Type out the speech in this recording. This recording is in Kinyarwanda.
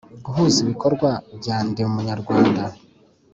guhuza ibikorwa bya Ndi Umunyarwanda